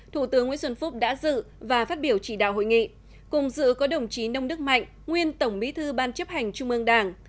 thủ tướng nguyễn xuân phúc đã dự và phát biểu chỉ đạo hội nghị cùng dự có đồng chí nông đức mạnh nguyên tổng bí thư ban chấp hành trung ương đảng